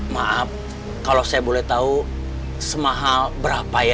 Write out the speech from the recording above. maaf kalau saya boleh tahu semahal berapa ya